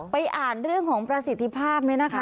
อ่านเรื่องของประสิทธิภาพนี้นะคะ